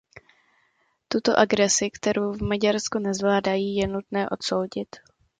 Tuto agresi, kterou v Maďarsku nezvládají, je nutné odsoudit.